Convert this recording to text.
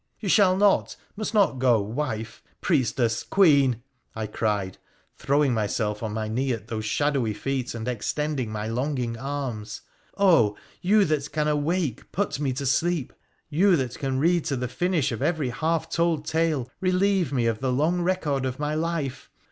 ' You shall not, must not go, wife, priestess, Queen !' I 21'ied, throwing myself on my knee at those shadowy feet, and extending my longing arms. ' Oh ! you that can awake, put ne to sleep — you, that can read to the finish of every lialf ;old tale, relieve me of the long record of my life